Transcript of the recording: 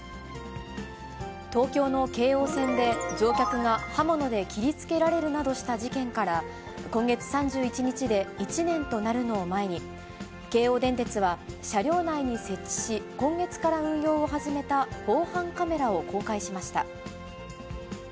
東京の京王線で乗客が刃物で切りつけられるなどした事件から、今月３１日で１年となるのを前に、京王電鉄は、車両内に設置し、今月から運用を始めた防犯カメラを公開しました。